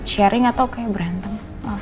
sharing atau kayak berantem